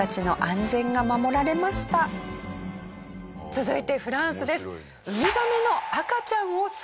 続いてフランスです。